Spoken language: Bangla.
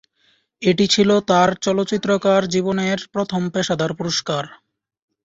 এটি ছিল তার চলচ্চিত্রকার জীবনের প্রথম পেশাদার পুরস্কার।